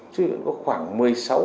cho đến khoảng một mươi sáu đối tượng